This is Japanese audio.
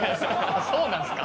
そうなんですか？